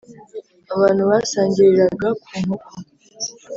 abantu basangiriraga ku nkoko